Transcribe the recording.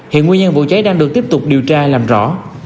hiện nguyên nhân vụ cháy đang được tiếp tục điều tra làm rõ